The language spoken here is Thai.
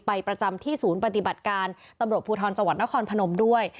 ไปประจำที่ศูนย์ปฏิบัติการตำรวจภูทรจนพนมด้วย